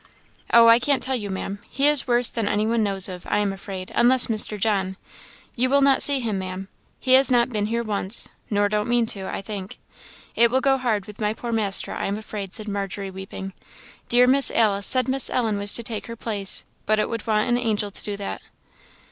"Oh, I can't tell you, Ma'am he is worse than any one knows of, I am afraid, unless Mr. John; you will not see him, Ma'am; he has not been here once, nor don't mean to, I think. It will go hard with my poor master, I am afraid," said Margery, weeping; "dear Miss Alice said Miss Ellen was to take her place; but it would want an angel to do that."